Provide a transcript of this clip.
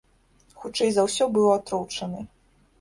Хутчэй за ўсё, быў атручаны.